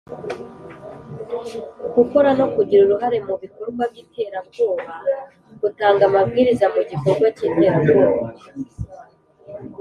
gukora no kugira uruhare mu bikorwa by’iterabwoba, gutanga amabwiriza mu gikorwa cy’iterabwoba